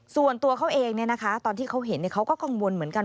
ส่วนตัวเขาเองตอนที่เขาเห็นเขาก็กังวลเหมือนกัน